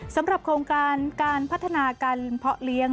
สำหรับโครงการการพัฒนาการเพาะเลี้ยง